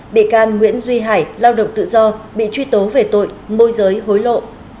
bị can nguyễn duy hải lao động tự do bị truy tố về tội môi giới hối lộ